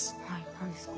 何ですか？